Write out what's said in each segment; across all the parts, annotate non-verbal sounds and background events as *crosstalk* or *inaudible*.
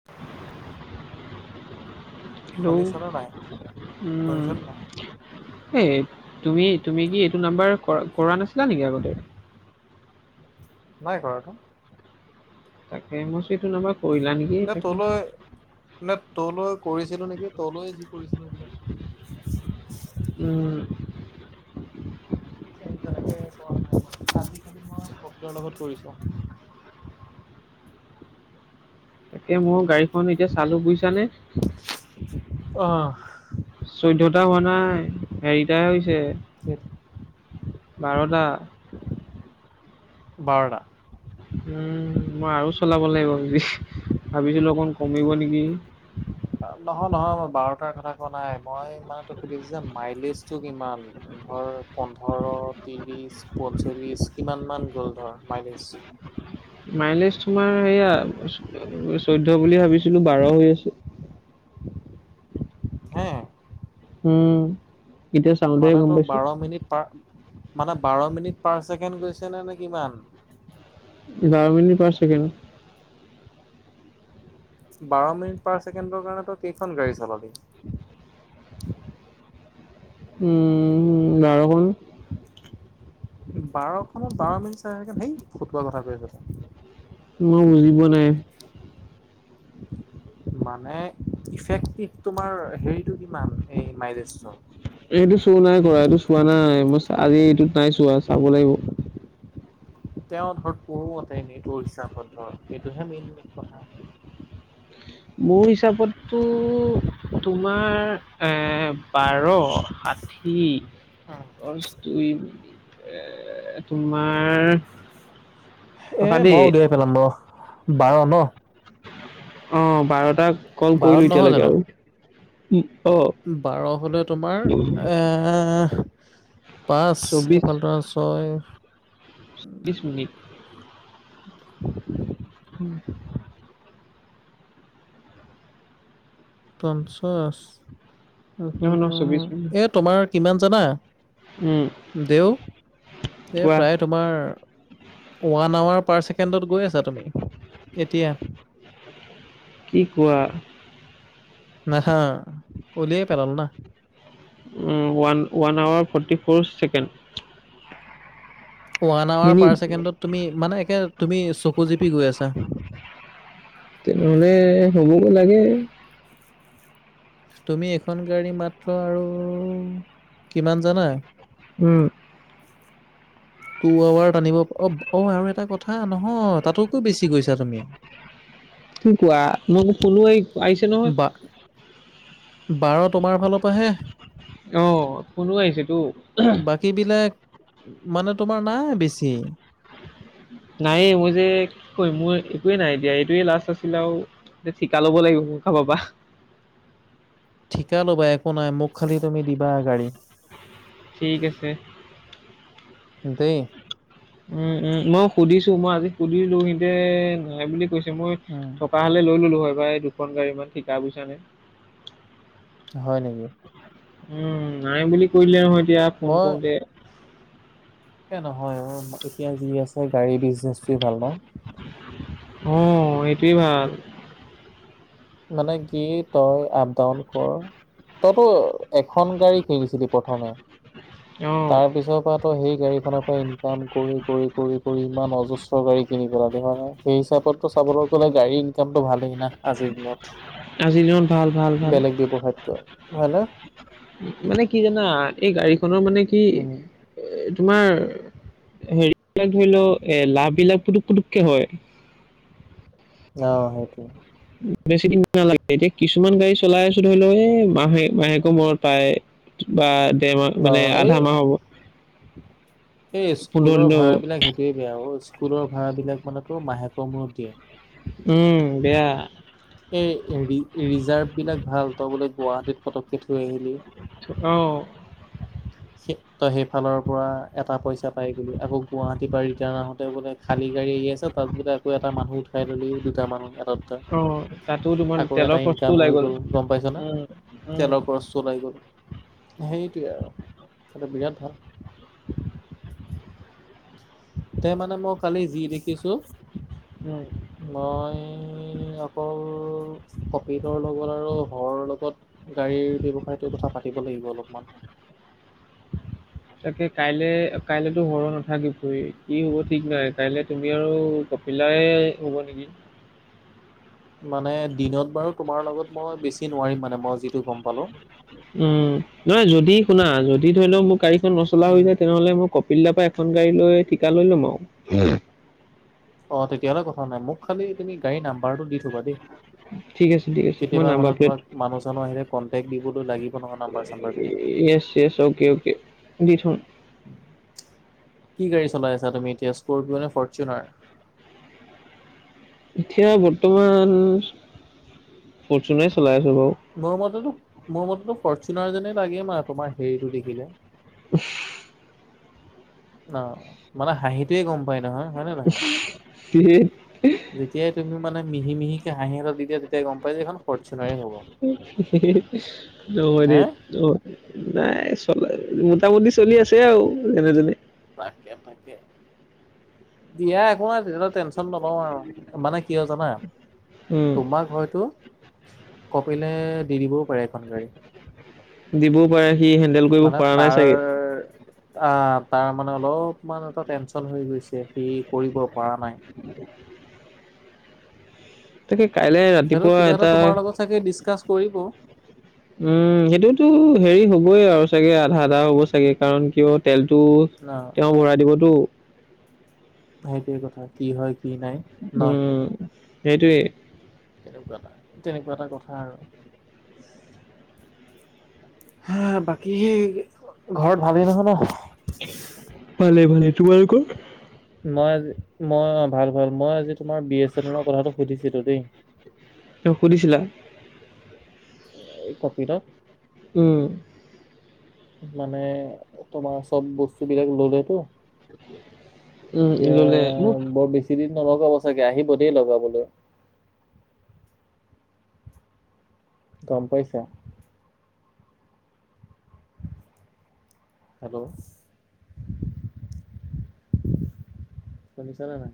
*inaudible* Hello, শুনিছনে নাই উম, শুনিছনে নাই এ তুমি -তুমি কি এইটো নাম্বাৰ কৰা নাছিলা নেকি আগতে? নাই কৰাটো। তাকে মই ভাবিছোঁ এইটো নাম্বৰত কৰিলা নি? নে তলৈ- নে তলৈ কৰিছিলো নেকি তলৈ যি কৰিছিলোঁ *unintelligible* উম, এ কৰা নাই *unintelligible* লগত কৰিছ। তাকে মোৰ গাড়ীখন এতিয়া চালো বুইছানে? অহ', চৈধ্যটা হোৱা নাই হেৰিটা হৈছে। সেইত বাৰটা। বাৰটা। উম, মই আৰু চলাব লাগিব *unintelligible* ভাবিছিলোঁ অকমান কমিব নিকি। নহয়- নহয় মই বাৰটাৰ কথা কোৱা নাই মই মানে তোক সুধিছো যে মাইলেজটো কিমান? ধৰ পন্ধৰ, তিৰিছ, পঞ্চল্লিছ কিমান মান গ'ল ধৰ মাইলেজ? মাইলেজ তোমাৰ সেইয়া চৈধ্য বুলি ভাবিছিলোঁ বাৰ হৈ আছে। হে উম, এতিয়া চাওঁতেহে মানে গম ত' পাইছোঁ বাৰ মিনিট পাৰ মানে বাৰ মিনিট পাৰ ছেকেণ্ড গৈছে নে -নে কিমান? বাৰ মিনিট পাৰছেকেণ্ড। বাৰ মিনিট পাৰ ছেকেণ্ডৰ কাৰণে তই কেইখন গাড়ী চলাবি? উম, বাৰ হ'ল বাৰখনত বাৰ মিনিট চাইহেকে সেই ফুটোৱা কথা কৈ আছ তই। মই বুজি পোৱা নাই। মানে ইফেক্টিভ তোমাৰ হেৰীটো কিমান এই মাইলেজটো? এইটো শ্বো নাই কৰা এইটো চোৱা নাই মই চা আজি এইটো নাই চোৱা চাব লাগিব। তেওঁ ধৰ পোহ অতে সেইটো হিচাপত ধৰ সেইটোহে মেইন কথা। মোৰ হিচাপতটো তোমাৰ এ বাৰ, ষাঠি *unintelligible* দুই মিনিট এ তোমাৰ এ ৰখা দেই মই উদিয়াই পেলাম ৰহ বাৰ ন? অ, বাৰটাক ক'ল বাৰত কৰিলো নহয় এতিয়ালৈকে জানো আৰু ই, অ। বাৰ হ'লে তোমাৰ এহ পাঁচ চৌবিশ এফালটো আৰু ছয় বিছ মিনিট। *inaudible* উম পঞ্চাছ এইফালে নহয় নহয় তোৰ চৌবিশ মিনিট সেই এত তোমাৰ কিমান জানা উম দেউ এ কোৱা প্ৰায় তোমাৰ ওৱান আৱাৰ পাৰ ছেকেণ্ডত গৈ আছা তুমি এতিয়া। কি কোৱা? নেহা উলিয়াই পেলালো না। উম, one -one hour forty four second. One hour minute পাৰ ছেকেণ্ডত তুমি মানে একে তুমি চকু জিপি গৈ আছা। তেনেহ'লে হ'ব গৈ লাগে। তুমি এখন গাড়ী মাত্ৰ আৰু কিমান জানা? উম। টু আৱাৰ টানিব অ অ আৰু এটা কথা নহয় তাতোতকৈ বেছি গৈছা তুমি। কি কোৱা মই বোলো শুলোৱেই। বা, বাৰ তোমাৰ ফালৰ পৰাহে। অ কোনো আহিছে তো। টিবিলাক মানে তোমাৰ নাই বেছি। নায়ে মই যে কি কৰিম মোৰ একোৱে নাই এতিয়া এইটোৱে লাষ্ট আছিলে আও। ঠিকা ল'ব লাগিব মোৰ কাবা পা। ঠিকা ল'বা একো নাই মোক খালি তুমি দিবা এগাড়ী। ঠিক আছে। দেই। উম উম মই সুধিছো মই আজি সুধিলো সিহঁতে নাই বুলি কৈছে, মই উম। থকা হ'লে লৈ ল'লো হয় বা এই দুখন গাড়ী ইমান ঠিকা বুইছা নাই। হয় নেকি? উম নাই বুলি কৈ দিলে নহয় এতিয়া ফোন মই কৰোঁতে। এ নহয় অ, এতিয়া যি আছে গাড়ী বিজনেচ টোৱে ভাল ন? অ এইটোৱে ভাল। মানে কি তই আপ ডাউন কৰ। তইতো এখন গাড়ী কিনিছিলি প্ৰথমে, অ তাৰপিছত ত তো সেই গাড়ীখনৰ পৰা ইনকাম কৰি কৰি কৰি কৰি ইমান অজস্ৰ গাড়ী কিনি পেলালি, হয়নে? সেই হিচাপতটো চাবলৈ গ'লে গাড়ীৰ ইনকামটো ভালেই না আজিৰ দিনত। আজিৰ দিনত ভাল ভাল ভাল বেলেগ ব্যৱসায়ত কয়, হয়নে? মানে কি জানা এই গাড়ীখনৰ মানে কি উম এ তোমাৰ হেৰীবিলাক ধৰি ল' এ লাভ বিলাক পুটুক পুটুককে হয়। অহ সেইটোৱে। বেছি দিন নালাগে এতিয়া কিছুমান গাড়ী চলাই আছোঁ ধৰি ল' এ মাহে মাহেকৰ মূৰত পায়। বা দেৰ মাহ অ মানে এই আধা মাহ হ'ব। এই পোন্ধৰ স্কুলৰ দিনো ভাড়াবিলাক সেইটোৱে বেয়া অ স্কুলৰ ভাড়াবিলাক মানে তো মাহেকৰ মূৰত দিয়ে। উম বেয়া। এই ৰি ৰিজাৰ্ভবিলাক ভাল তই বোলে গুৱাহাটীত পটকে থৈ আহিলি। অ। সে তই সেইফালৰ পৰা এটা পইচা পাই গলী। আকৌ গুৱাহাটী পৰা ৰিটাৰ্ণ আহোতে বোলে খালী গাড়ী আহি আছে তাত বোলে আকৌ এটা মানুহ উঠাই ল'লি। টা মানুহ এটা দুটা। অ তাতো তোমাৰ আকৌ তেলৰ এটা খৰচটো ইনকাম ওলাই হৈ গল গম পাইছা না? উম উম তেলৰ খৰচ ত ওলাই গ'ল, সেইটোৱে আৰ। সেটো বিৰাট ভাল। তে মানে মই কালি যি দেখিছোঁ। উম। মই অকল কপিলৰ লগত আৰু ঘৰৰ লগত গাড়ীৰ ব্যৱসায়টোৰ কথা পাতিব লাগিব অলপমান। তাকে কাইলে কাইলেতো সৰ নাথাকিবই কি হ'ব ঠিক নাই, কাইলে তুমি আৰু কপিল দাই ৰুব নিকি? মানে দিনত বাৰু তোমাৰ লগত মই বেছি নোৱাৰিম মানে মই যিটো গম পালোঁ। উম'। নহয় যদি শুনা, যদি ধৰি লওক মোৰ গাড়ীখন নচলা হৈ উম, যায় তেনেহ'লে মোক কপিল দা পা এখন গাড়ী লৈ ঠিকা লৈ লম আও। অ তেতিয়াহ'লে কথা নাই। মোক খালি তুমি গাড়ী নাম্বাৰটো দি থ'বা দেই। *inaudible* ঠিক আছে দে কেতিয়াবা মানে তোমাক মানুহ চানুহ আহিলে কণ্টেক্ট দিবলৈ লাগিব নহয় নাম্বাৰ চাম্বাৰ বিলাক। ইয়েচ-ইয়েচ, অ'কে-অ'কে, দি থম। কি গাড়ী চলাই আছা তুমি এতিয়া স্কপিঅ নে ফৰ্চুনাৰ? এতিয়া বৰ্তমান ফৰ্চুনাৰে চলাই আছোঁ বাৰু। মোৰ মতেতো-মোৰ মতেতো ফৰ্চুনাৰ যেনে লাগে মা তোমাৰ হেৰিটো দেখিলে। উফ অ', মানে হাঁহিটোৱে গম পায় নহয়, হয় নে নহয়? ধেৎ, যেতিয়াই তুমি মানে মিহি-মিহিকে হাঁহি এটা দি দিয়া তেতিয়াই গম পাই যে এইখন ফৰ্চুনাৰে হ'ব। মই মানে হে অ নাই চলাই, মোটামুটি চলি আছে আৰু যেনে তেনে। তাকে-তাকে, দিয়া একো নাই তেতিয়াহলে টেনচ এখন নলওঁ আৰু। মানে কিয় জানা? উম, তোমাক হয়তো কপিলে দি দিবও পাৰে। খন গাড়ী। দিবও পাৰে সি হেনেক মানে তাৰ আ', তাৰ মানে অলপমান এটা টেনচন হৈ গৈছে সি কৰিব পৰা নাই। *unintelligible* তাকে কাইলে সেইটো ৰাতিপুৱা কিবা এটা তোমাৰ লগত চাগে ডিছকাছ কৰিব উম সেইটোতো হেৰি হ'বই আৰু চাগে আধা আধা হ'ব চাগে কাৰণ কিয় তেলটো অ তেওঁ ভৰাই দিবতো। সেইটো কথা। কি হয় কি নাই। ন উম', সেইটোৱেই সেইটোৱেই কথা তেনেকুৱা এটা কথা আৰু। হা বাকী ঘৰত ভালেই নহয় ন? ভালে-ভালে তোমালোকৰ? মই আজি মই অ', ভাল-ভাল মই আজি তোমাৰ বি এছ চেনেলৰ কথাটো সুধিছিলো দেই। তেওঁক সুধিছিলা? অ পাপু তাত উম মানে তোমাৰ চব বস্তু বিলাক ললেতো উম এতিয়া ল'লে মোক বৰ বেছি দিন নলগাব চাগে আহিব দেই লগাবলে গম পাইছা হেল্ল শুনিছা নে নাই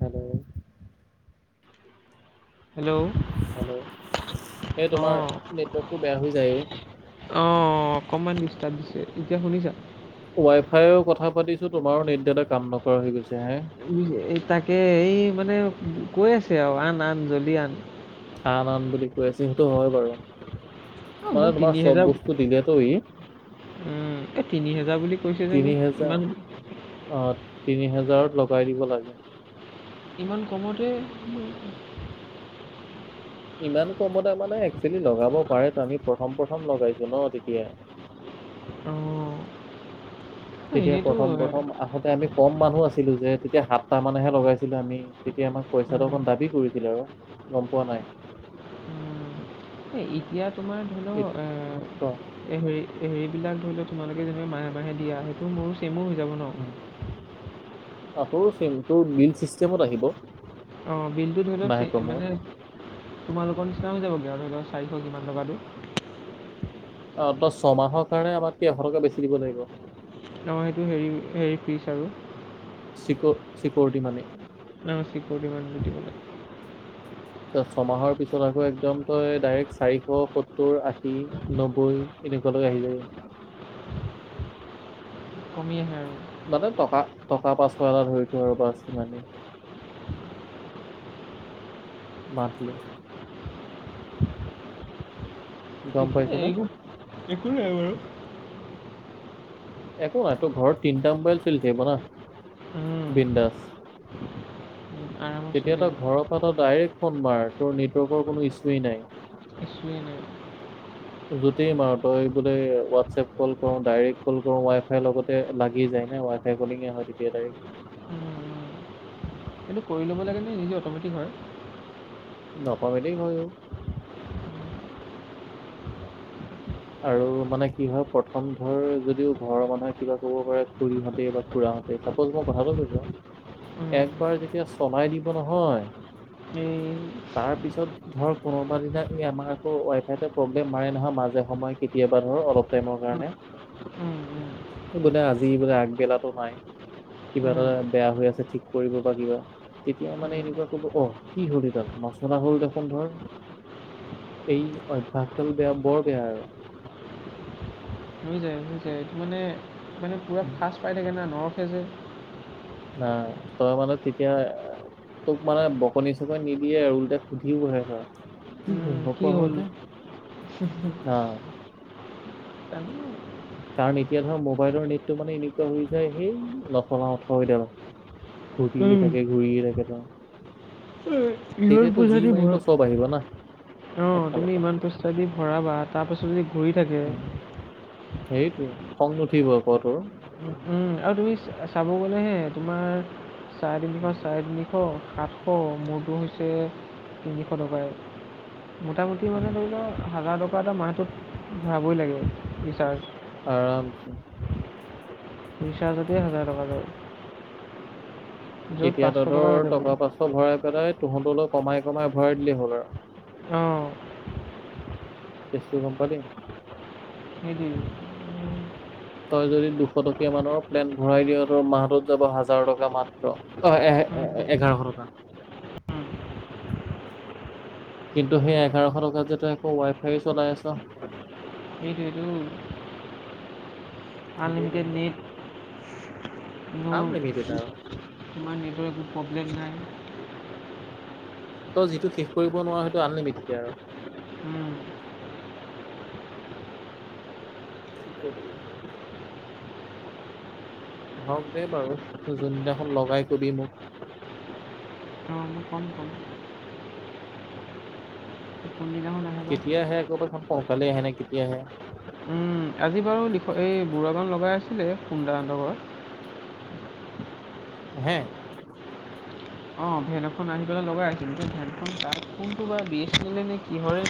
হেল্ল হেল্ল' হেল্ল এই অ তোমাৰ নেটৱৰ্কটো বেয়া হৈ যায় অ অ অ অকণমান দিষ্টাব দিছে এতিয়া শুনিছা ৱাই ফাইও কথা পাতিছো তোমাৰো নেট ডালে কাম নকৰা হৈ গৈছে হে ই যে তাকে ই মানে কৈ আছে আৱ আন আন জল্দি আন আন আন বুলি কৈ আছে সেইটো হয় বাৰু অ মানে মোক তোমাৰ তিনি চব হেজাৰ বস্তু দিলেতো ই উম এ তিনি হেজাৰ বুলি কৈছে যে তিনি মোক ইমান হেজাৰ অ তিনি হেজাৰত লগাই দিব লাগে ইমান কমতেই ইমান কমতে মানে একচুৱেলি লগাব পাৰেতো আমি প্ৰথম প্ৰথম লগাইছো ন তেতিয়া অ তেতিয়া এনেইতো প্ৰথম প্ৰথম আহোতে আমি কম মানুহ আছিলো যে তেতিয়া সাতটা মানেহে লগাইছিলো আমি তেতিয়া আমাক পইচাটো উম অকণ দাবী কৰিছিল আৰু গম পোৱা নাই উম, এই এতিয়া তোমাৰ ধৰি এত- লওক এ ক এ হেৰি হেৰি বিলাক ধৰি লও তোমালোকে যেনেকে মাহে মাহে দিয়া সেইটো মোৰো চেমো হৈ যাব ন উম। অ তোৰো চেম তোৰ বিল চিষ্টেমত আহিব অ বিলটো ধৰি লওক মাহেকৰ মোৰ মানে তোমালোকৰ নিচিনা হৈ যাবগৈ আৰু ধৰি লওক চাৰিশ কিমান টকাটো অ তই ছয়মাহৰ কাৰণে আমাতকে এশ টকা বেছি দিব লাগিব অহ সেইটো হেৰি হেৰি ফিচ আৰু চিক চিকউৰিটি মানি অ চিকৰউটি মানি দিব লাগিব ত ছমাহৰ পিছত আকৌ একদম তই ডাইৰেক্ট চাৰিশ সত্তৰ আশী নব্বৈ এনেকুৱালৈকে আহি যায় কমি আহে আৰু মানে টকা টকা পাঁচশ এটা ধৰি থ আৰু বাছ সিমানেই মাটলি ঠিকেই এইবো একো নাই বাৰু একো নাই তো ঘৰত তিনিটা মোবাইল চলি থাকিব না, উম, বিন্দাছ। উম, আৰামত চলি তেতিয়া তই থাকিব ঘৰৰ পৰা তই ডাইৰেক্ট ফোন মাৰ তোৰ নেটৱৰ্কৰ কোনো ইছুৱেই নাই। ইচোৱে নাই যতেই মাৰ তই বোলে হোৱাটছএপ কল কৰো, ডাইৰেক কল কৰো, ৱাই ফাইৰ লগতে লাগি যায় ন ৱাই ফাই কলিঙে হয় তেতিয়া ডাইৰেক্ট। এইটো কৰি ল'ব লাগেনে নিজে অট'মেটিক হয়? নটমেদি হয়ো। আৰু মানে কি হয় প্ৰথম ধৰ যদিও ঘৰৰ মানুহে কিবা ক'ব পাৰে খুৰীহঁতে বা খুৰাহ তে চাপজ মই কথাটো কৈছো উম, উম, একবাৰ যেতিয়া চলাই দিব নহয় এই তাৰ পিছত ধৰক কোনোবা দিনা এই আমাৰ আকৌ ৱাই ফাই প্ৰব্লেম মাৰে নহয় মাজে সময় কেতিয়াবা ধৰ অলপ টাইমৰ উম, কাৰণে সে বোলে আজি বোলে আগবেলাতো নাই উম, কিবা উম, এটা বেয়া হৈ আছে ঠিক কৰিব বা কিবা তেতিয়া মানে উম। এনেকুৱা কব অ কি হ'ল এইডাল নচলা হল দেখোন ধৰ এই অভ্যাসদাল বেয়া বৰ বেয়া আৰু বহি যায় এইটো মানে মানে পুৰা ফাৰ্ষ্ট পাই থাকে না নৰখে যে না তই মানে তেতিয়া তোক মানে বকনি চকনি নিদিয়ে আৰু ওলতাই সুধিবহে ধৰা। কি হল উম, কি নোপোৱা হ'ল যে, আহ। জানো কাৰণ এতিয়া ধৰ মোবাইলৰ নেটটো মানে এনেকুৱা হৈ যায়, সেই নচলাও থ এতিয়া ধ ঘূৰিয়ে উম, থাকে ঘূৰিয়ে থাকে ত। কিমান পইচা দি ভৱাঙ অ একফালৰ তুমি পৰা ইমান পইচা দি ভৰাবা, তাৰ পাছত যদি ঘূৰি থাকে। সেইটোৱে খং নুঠিব ক তোৰ। আৰু তুমি চাব গ'লেহে তোমাৰ চাৰে তিনিশ চাৰে তিনি আতশ, সাতশ মোৰটো হৈছে তিনিশ টকায়ে। মোটামুটি মানে ধৰি ল' হাজাৰ টকা এটা মাহটোত ভৰাবই লাগে ৰিচাৰ্জ। আৰামছে। ৰিচাৰ্জতে হাজাৰ টকা যায়। য'ত এতিয়া পাঁচশ তহঁতৰ লাগে বোলে। টকা পাচশ ভৰাই পেলাই তহঁতলৈ কমাই কমাই ভৰাই দিলেই হ'ল আৰু। অ কেছটো গম পালি? সেই দিলোঁ। তই যদি দুশ টকীয়া মানৰ প্লেন ভৰাই দিয় তোৰ মাহটোত যাব হাজাৰ টকা মাত্ৰ। অ, এহে এ - সেইটো এঘাৰশ টকা। কিন্তু সেই এঘাৰশ টকাত যে একো ৱাই ফাইয়ো চলাই আছ। সেই সেইটো। সেইটোৱেই মেইন কথা। কিনো আনলিমিটেড আৰু তোমাৰ নেটৰ একো প্ৰব্লেম নাই। ত' যিটো শেষ কৰিব নোৱাৰ সেইটো আনলিমিটকে আৰু। উম, কি কবি। আহক দে বাৰু যোনদিনাখন লগাই কবি মোক। অহ, কম-কম তে কোনদিনা *unintelligible* আহে বা কেতিয়া আহে আকৌ এখন সোনকালে আহে নে কেতিয়া আহে? উম, আজি বাৰু এই দিখৌ বুঢ়াবান লগাই আছিলে কুন দা হঁতৰ ঘৰত। হে অ, ভেন এখন আহি পেলাই লগাই আছিল ভেনখন তাক কোনটো বা বি এ ছে নেলে নে কিহৰে?